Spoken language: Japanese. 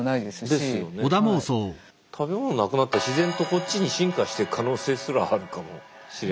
食べ物なくなったら自然とこっちに進化していく可能性すらあるかもしれない。